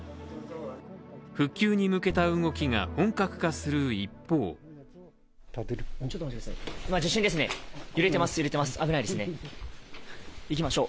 復旧に向けた動きが本格化する一方地震ですね、揺れてます、揺れてます、危ないですね。